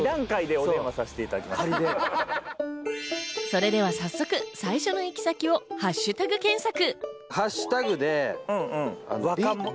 それでは早速、最初の行き先をハッシュタグ検索。